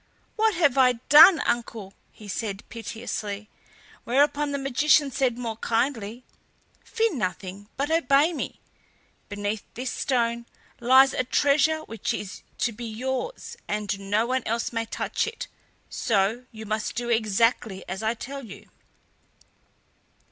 "What have I done, uncle?" he said piteously; whereupon the magician said more kindly: "Fear nothing, but obey me. Beneath this stone lies a treasure which is to be yours, and no one else may touch it, so you must do exactly as I tell you."